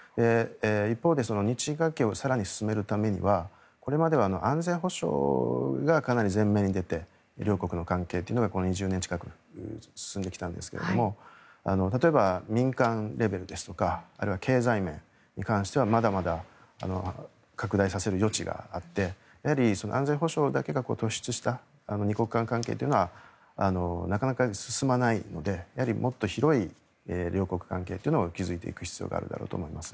一方で、日印関係を更に進めるためにはこれまでは安全保障がかなり前面に出て両国の関係というのがこの２０年近く進んできたんですが例えば、民間レベルですとかあるいは経済面に関してはまだまだ拡大させる余地があってやはり安全保障だけが突出した２国間関係というのはなかなか進まないので、やはりもっと広い両国関係というのを築いていく必要があるだろうと思います。